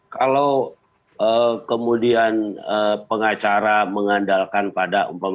kalau kemudian pengacara mengandalkan pada umpamanya